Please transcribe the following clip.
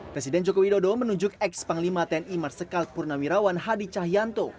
presiden joko widodo menunjuk ex panglima tni marsikal purnawirawan hadi cahyanto